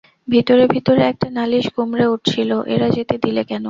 ভিতরে ভিতরে একটা নালিশ গুমরে উঠছিল– এরা যেতে দিলে কেন?